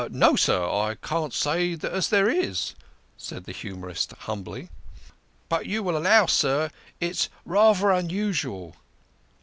"" No, sir, I can't say as there is," said the humorist humbly. " But you will allow, sir, it's rayther unusual."